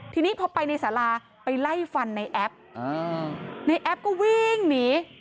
ทีนี้พอไปในสาราไปไล่ฟันในแอปในแอปก็วิ่งหนี